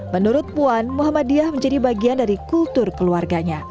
menurut puan muhammadiyah menjadi bagian dari kultur keluarganya